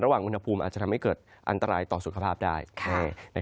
อุณหภูมิอาจจะทำให้เกิดอันตรายต่อสุขภาพได้